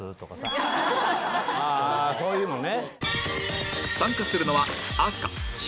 あそういうのね。